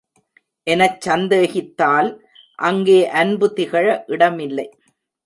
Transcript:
எனச் சந்தேகித்தால் அங்கே அன்பு திகழ இடமில்லை.